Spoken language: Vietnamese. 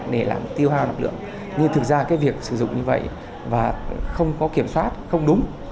để làm tiêu hao lực lượng nhưng thực ra cái việc sử dụng như vậy và không có kiểm soát không đúng